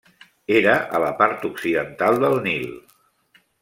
Era a la part occidental del Nil.